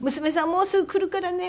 もうすぐ来るからね。